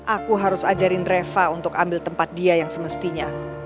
aku harus ajarin reva untuk ambil tempat dia yang semestinya